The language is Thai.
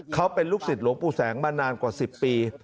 เขาเป็นลูกศิษย์หลวงปู่แสงมานานกว่า๑๐ปี